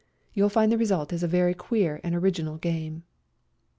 You'll find the result is a very queer and original game.